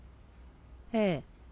ええ。